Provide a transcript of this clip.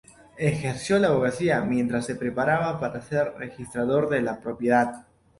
Ejerció la abogacía mientras se preparaba para ser registrador de la propiedad.